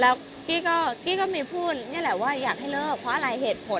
แล้วกี้ก็มีพูดนี่แหละว่าอยากให้เลิกเพราะอะไรเหตุผล